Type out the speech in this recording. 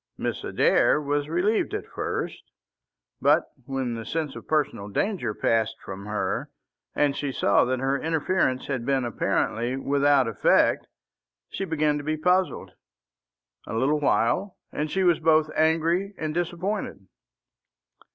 Mrs. Adair was relieved at first, but when the sense of personal danger passed from her, and she saw that her interference had been apparently without effect, she began to be puzzled. A little while, and she was both angry and disappointed.